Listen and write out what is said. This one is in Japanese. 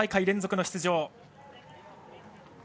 ５大会連続出場。